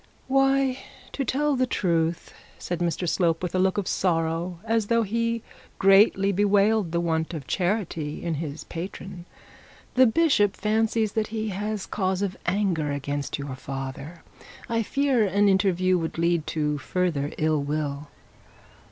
'Why, to tell the truth,' said Mr Slope, with a look of sorrow, as though he greatly bewailed the want of charity in his patron, 'the bishop fancies he has cause of anger against your father. I fear an interview would lead to further ill will.'